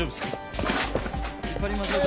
引っ張りましょうか？